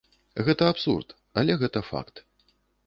Гэта абсурд, але гэта факт.